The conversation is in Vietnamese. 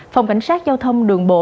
phòng cảnh sát giao thông đường bộ